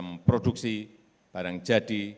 memproduksi barang jadi